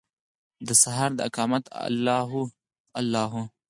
دسهار داقامته الله هو، الله هو